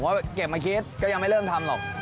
เพราะเก็บมาคิดก็ยังไม่เริ่มทำหรอก